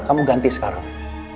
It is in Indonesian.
kamu ganti sekarang